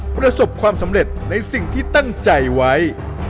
ประสบความสำเร็จในสิ่งที่ตั้งใจไว้